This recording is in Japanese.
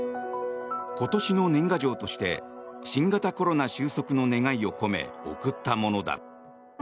今年の年賀状として新型コロナ収束の願いを込め送ったものだ。